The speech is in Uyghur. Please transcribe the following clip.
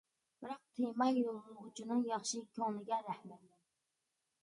بىراق تېما يوللىغۇچىنىڭ ياخشى كۆڭلىگە رەھمەت!